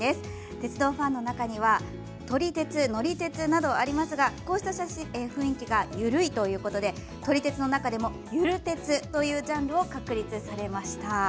鉄道ファンの中には撮り鉄、乗り鉄などありますがこうした雰囲気がゆるいということで撮り鉄の中でもゆる鉄というジャンルを確立されました。